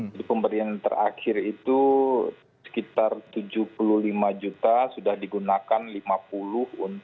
jadi pemberian terakhir itu sekitar tujuh puluh lima juta sudah digunakan lima puluh untuk pembiayaan iklan